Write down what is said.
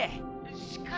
「しかし」。